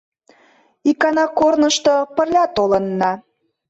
Икана корнышто пырля толынна.